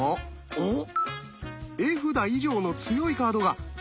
おっ！